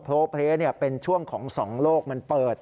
เพลเป็นช่วงของสองโลกมันเปิด